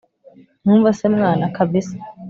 ntiwumva se mwana, kabisa